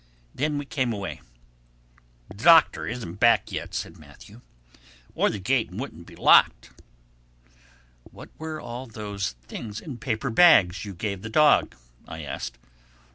Then we came away. "The Doctor isn't back yet," said Matthew, "or the gate wouldn't be locked." "What were all those things in paper bags you gave the dog?" I asked.